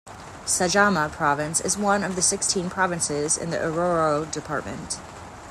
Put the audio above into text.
"Sajama" province is one of the sixteen provinces in the Oruro Department.